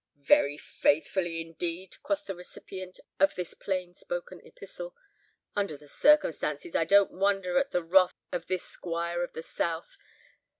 "Very faithfully, indeed," quoth the recipient of this plain spoken epistle. "Under the circumstances I don't wonder at the wrath of this Squire of the South.